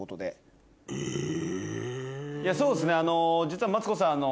そうですねあの実はマツコさん